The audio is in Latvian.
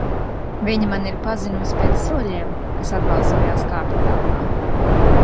Viņa mani ir pazinusi pēc soļiem, kas atbalsojās kāpņu telpā.